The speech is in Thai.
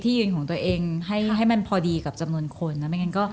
ที่ยืนของตัวเองให้มันพอดีกับจำนวนคนนะ